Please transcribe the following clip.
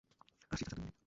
আসছি চাচা, দুই মিনিট।